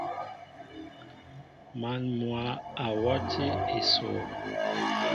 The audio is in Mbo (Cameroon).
Man mwă a wati esoo.